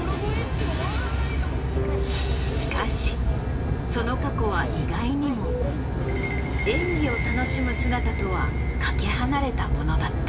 しかしその過去は意外にも演技を楽しむ姿とは懸け離れたものだった。